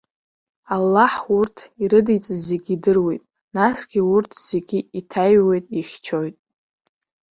Аллаҳ урҭ ирыдиҵаз зегьы идыруеит, насгьы урҭ зегьы иҭаиҩуеит, ихьчоит.